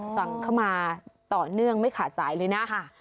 สั่งเข้ามาต่อเนื่องไม่ขาดสายเลยนะ